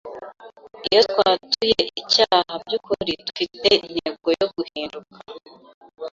Iyo twatuye icyaha by'ukuri dufite intego yo guhinduka